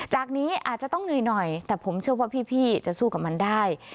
จากนี้อาจจะต้องเหนื่อยหน่อยแต่ผมเชื่อว่าพี่จะสู้กับมันได้